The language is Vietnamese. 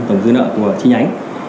tổng dư nợ của chi nhánh